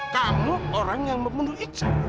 kamu orang yang membunuh icar